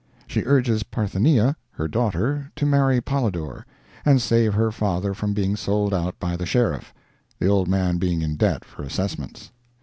She urges Parthenia, her daughter, to marry Polydor, and save her father from being sold out by the sheriff—the old man being in debt for assessments.